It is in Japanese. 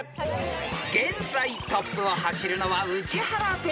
［現在トップを走るのは宇治原ペア］